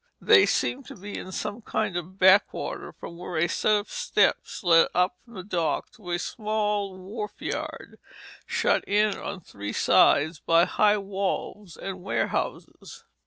They seemed to be in some kind of backwater from where a set of steps led up from the dock to a small wharfyard, shut in on three sides by high walls and warehouses.